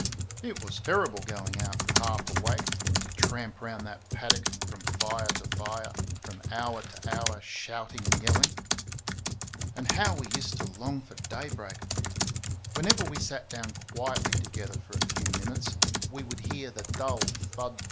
It was terrible going out, half awake, to tramp round that paddock from fire to fire, from hour to hour, shouting and yelling. And how we used to long for daybreak! Whenever we sat down quietly together for a few minutes we would hear the dull THUD!